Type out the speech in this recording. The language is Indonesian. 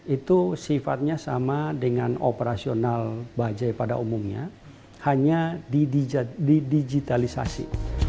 itu sifatnya sama dengan operasional bajaj pada umumnya hanya didigitalisasi